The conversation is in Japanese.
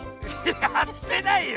やってないよ！